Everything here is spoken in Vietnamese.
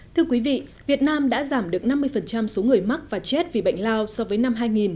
thưa quý vị việt nam đã giảm được năm mươi số người mắc và chết vì bệnh lao so với năm hai nghìn